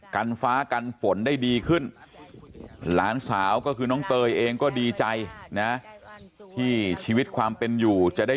กันฟ้ากันฝนได้ดีขึ้นหลานเสาร์ก็คือน้องเตยเองก็ดีใจนะ